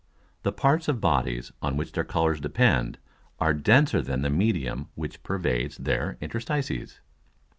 _The parts of Bodies on which their Colours depend, are denser than the Medium which pervades their Interstices.